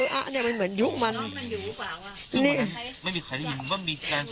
เอออ่ะเนี้ยมันเหมือนยุคมันน้องมันอยู่หรือเปล่าอ่ะนี่ไม่มีใครยินว่ามีแรงเสียง